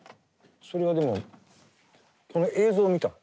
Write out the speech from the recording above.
それはでもこの映像を見たの？